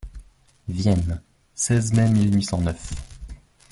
Vienne, seize mai mille huit cent neuf.